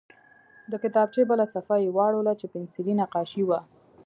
د کتابچې بله صفحه یې واړوله چې پنسلي نقاشي وه